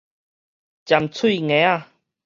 針喙鋏仔